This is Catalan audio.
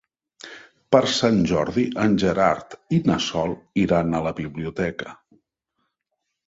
Per Sant Jordi en Gerard i na Sol iran a la biblioteca.